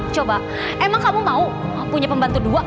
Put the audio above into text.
coba emang kamu mau punya pembantu dua